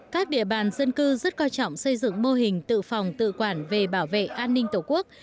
các địa bàn dân cư rất coi trọng xây dựng mô hình tự phòng tự quản về bảo vệ an ninh tổ quốc